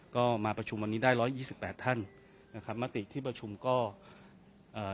ก็มาประชุมวันนี้ได้ร้อยยี่สิบแปดท่านนะครับมติที่ประชุมก็เอ่อ